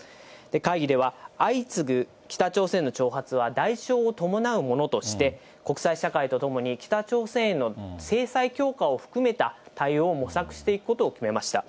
会議では、相次ぐ北朝鮮の挑発は代償を伴うものとして、国際社会と共に北朝鮮への制裁強化を含めた対応を模索していくことを決めました。